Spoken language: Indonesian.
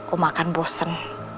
oma akan bosen